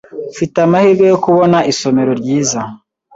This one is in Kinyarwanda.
Mfite amahirwe yo kubona isomero ryiza.